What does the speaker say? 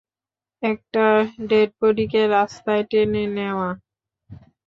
একটা ডেডবডিকে রাস্তায় টেনে নেওয়া।